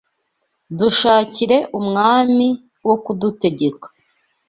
dushakire umwami wo kudutegeka